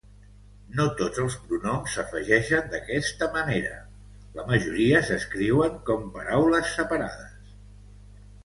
No tots els pronoms s'afegeixen d'aquesta manera; la majoria s'escriuen com paraules separades.